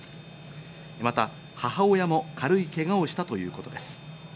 また母親も軽いけがをしたということです。